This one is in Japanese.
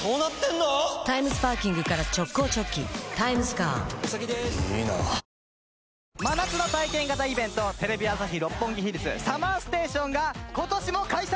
カロカロカロカロカロリミット真夏の体験型イベントテレビ朝日・六本木ヒルズＳＵＭＭＥＲＳＴＡＴＩＯＮが今年も開催！